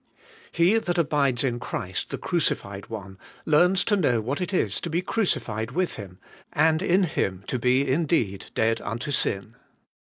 HE that abides in Christ the Crucified One, learns to know what it is to be crucified with Him, and in Him to be indeed dead unto sin.